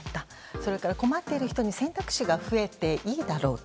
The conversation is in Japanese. それから困っている人に選択肢が増えていいだろうと。